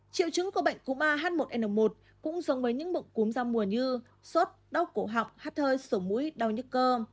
triệu chứng của bệnh cúm a h một n một cũng giống với những bụng cúm ra mùa như sốt đau cổ học hát thơi sổ mũi đau nhức cơ